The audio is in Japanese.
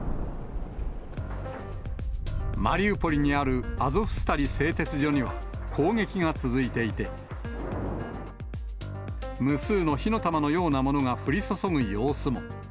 マリウポリにあるアゾフスタリ製鉄所には、攻撃が続いていて、無数の火の玉のようなものが降り注ぐ様子も。